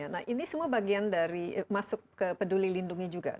nah ini semua bagian dari masuk ke peduli lindungi juga